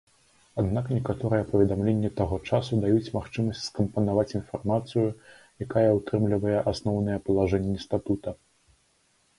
Аднак некаторыя паведамленні таго часу даюць магчымасць скампанаваць інфармацыю, якая ўтрымлівае асноўныя палажэнні статута.